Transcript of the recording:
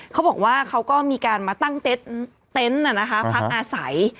เขาบอกว่าเขาก็มีการมาตั้งเต็นต์พักอาศัย